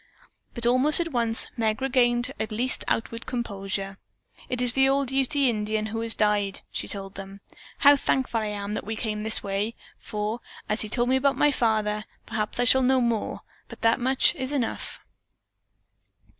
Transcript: But almost at once Meg regained at least outward composure. "It is the old Ute Indian who has died," she told them. "How thankful I am that we came this way, for he has told me about my father. Perhaps I shall know more, but that much is enough."